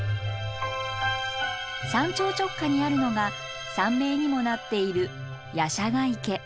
山頂直下にあるのが山名にもなっている夜叉ヶ池。